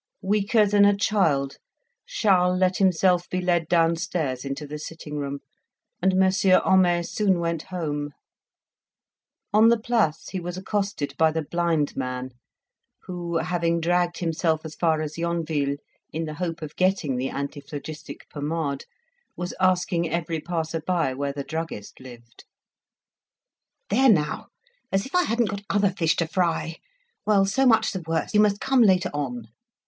Weaker than a child, Charles let himself be led downstairs into the sitting room, and Monsieur Homais soon went home. On the Place he was accosted by the blind man, who, having dragged himself as far as Yonville, in the hope of getting the antiphlogistic pomade, was asking every passer by where the druggist lived. "There now! as if I hadn't got other fish to fry. Well, so much the worse; you must come later on."